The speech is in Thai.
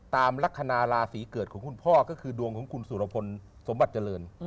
ตามลักษณะราศีเกิดของคุณพ่อก็คือดวงของคุณสุรพลสมบัติเจริญ